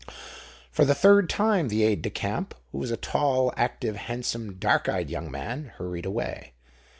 For the third time the aide de camp,—who was a tall, active, handsome, dark eyed young man,—hurried away.